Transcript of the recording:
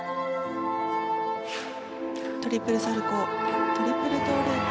トリプルサルコウトリプルトウループ